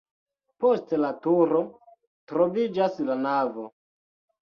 Post la turo troviĝas la navo.